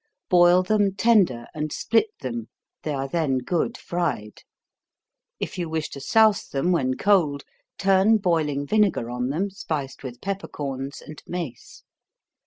Boil them tender, and split them, they are then good fried. If you wish to souse them when cold, turn boiling vinegar on them, spiced with pepper corns, and mace.